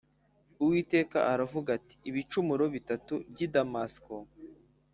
Uwiteka aravuga ati “Ibicumuro bitatu by’i Damasiko